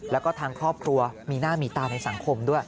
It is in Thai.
แล้วก็ทางครอบครัวมีหน้ามีตาในสังคมด้วย